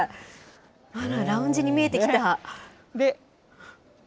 あら、ラウンジに見えてきた。